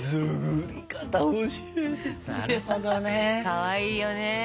かわいいよね。